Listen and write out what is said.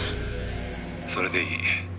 「それでいい。